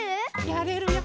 やれるよ。